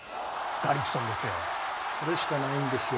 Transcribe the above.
ガリクソンですよ。